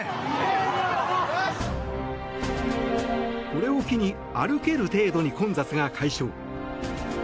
これを機に歩ける程度に混雑が解消。